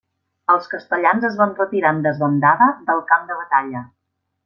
Els castellans es van retirar en desbandada del camp de batalla.